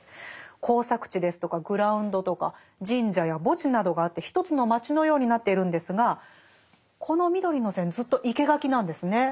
耕作地ですとかグラウンドとか神社や墓地などがあって一つの街のようになっているんですがこの緑の線ずっと生け垣なんですね。